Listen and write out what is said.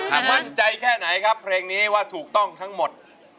มั่นใจแค่ไหนครับเพลงนี้ว่าถูกต้องทั้งหมด